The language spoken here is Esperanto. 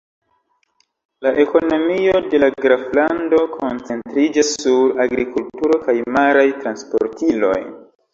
La ekonomio de la graflando koncentriĝas sur agrikulturo kaj maraj transportiloj.